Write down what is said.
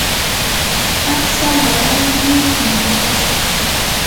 patsa warayllam illakushaq.